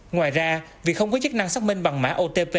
ngoài ra việc không có chức năng xác minh bằng mã otp